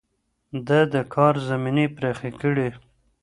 ده د کار زمينې پراخې کړې.